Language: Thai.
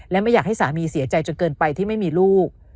และไม่อยากให้สามีเสียใจจนเกินไปที่ไม่มีลูก